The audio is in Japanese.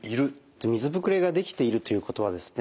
水ぶくれができているということはですね